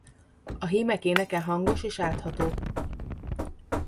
A hímek éneke hangos és átható.